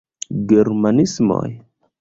Germanismoj?